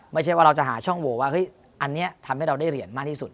ไม่ใช่ว่าเราจะหาช่องโหวว่าเฮ้ยอันนี้ทำให้เราได้เหรียญมากที่สุด